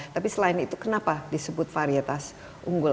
tapi selain itu kenapa disebut varietas unggul